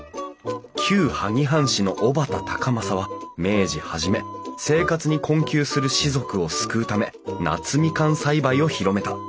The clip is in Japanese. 旧萩藩士の小幡高政は明治初め生活に困窮する士族を救うため夏みかん栽培を広めた。